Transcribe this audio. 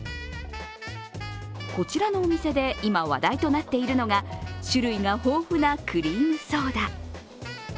こちらのお店で今、話題となっているのが種類が豊富なクリームソーダ。